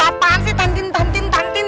apaan sih tantin tantin tantin